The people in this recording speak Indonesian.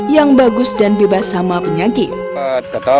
yang bagus dan bebas sama penyakit